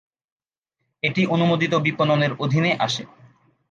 এটি অনুমোদিত বিপণনের অধীনে আসে।